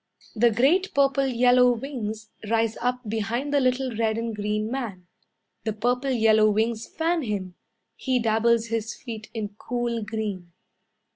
The great purple yellow wings Rise up behind the little red and green man; The purple yellow wings fan him, He dabbles his feet in cool green.